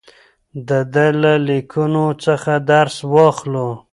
د ده له لیکنو څخه درس واخلو.